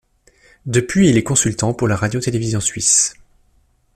Depuis, il est consultant pour la Radio télévision suisse.